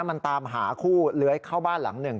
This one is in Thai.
มันตามหาคู่เลื้อยเข้าบ้านหลังหนึ่ง